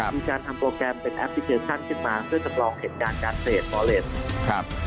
มีการทำโปรแกรมเป็นแอปพลิเคชันขึ้นมาเพื่อจำลองเหตุการณ์การเสพฟ้อเลสครับ